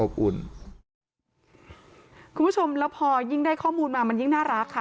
คุณผู้ชมแล้วพอยิ่งได้ข้อมูลมามันยิ่งน่ารักค่ะ